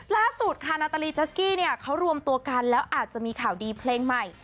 ล่าสุดค่ะนาตาลีจัสกี้เนี่ยเขารวมตัวกันแล้วอาจจะมีข่าวดีเพลงใหม่